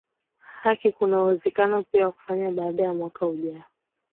haki kuna uwezekano pia kufanya baada ya mwaka ujao